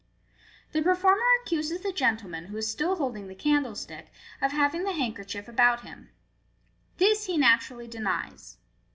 The performer accuses the gentleman, who is still holding the candlestick, of having the handkerchief about him. This he naturally denies.